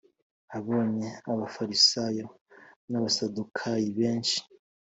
Abonye Abafarisayo n’Abasadukayo benshi